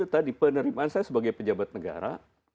tadi penerimaan saya sebagai pejabat negara